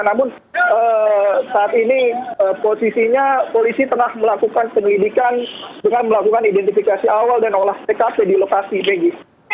namun saat ini posisinya polisi tengah melakukan penyelidikan dengan melakukan identifikasi awal dan olah tkp di lokasi megi